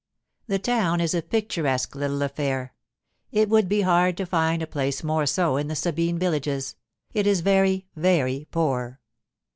The town is a picturesque little affair—it would be hard to find a place more so in the Sabine villages, it is very, very poor.